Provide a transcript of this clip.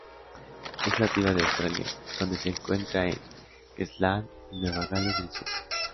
Es nativa de Australia, donde se encuentra en Queensland y Nueva Gales del Sur.